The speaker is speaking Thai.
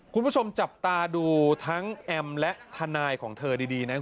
คุณผู้ชมจับตาดูทั้งแอมและทนายของเธอดีนั้น